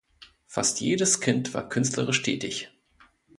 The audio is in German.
Fast jedes Kind war künstlerisch tätig.